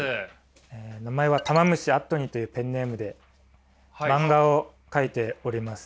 名前はたま虫あっとにというペンネームで漫画を描いております。